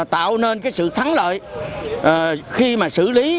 tạo nên cái sự thắng lợi khi mà xử lý